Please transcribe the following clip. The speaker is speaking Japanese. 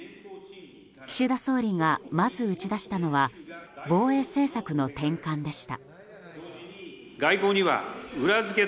岸田総理が、まず打ち出したのは防衛政策の転換でした。